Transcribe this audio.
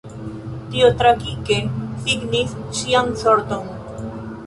Tio tragike signis ŝian sorton.